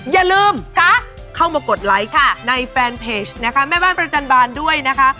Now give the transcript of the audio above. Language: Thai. อย่าลืมเข้ามากดไลค์ในแฟนเพจนะคะแม่ว่าประจำบานด้วยนะคะ